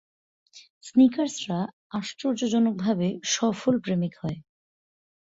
স্নিকার্সরা আশ্চর্যজনকভাবে সফল প্রেমিক হয়।